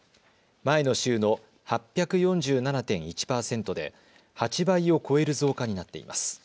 前の週の８４７．１％で８倍を超える増加になっています。